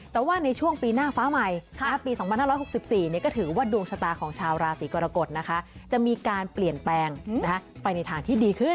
แต่ว่าในช่วงปีหน้าฟ้าใหม่ปี๒๕๖๔ก็ถือว่าดวงชะตาของชาวราศีกรกฎนะคะจะมีการเปลี่ยนแปลงไปในทางที่ดีขึ้น